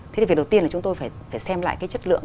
thế thì việc đầu tiên là chúng tôi phải xem lại cái chất lượng